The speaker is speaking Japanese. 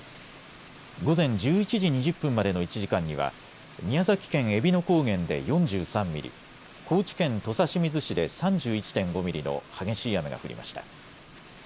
午前１１時２０分までの１時間には宮崎県えびの高原で４３ミリ、高知県土佐清水市で３１．５ミリの激しい雨が降りました。